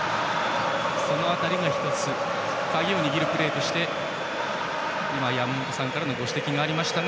その辺りが１つ鍵を握るプレーとして今、山本さんからもご指摘がありましたが